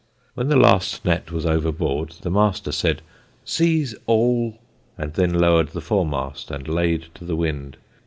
When the last net was overboard the master said, "Seas all!" and then lowered the foremast and laid to the wind.